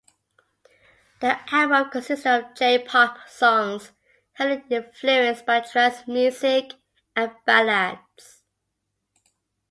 The album consisted of J-pop songs heavenly influenced by trance music, and ballads.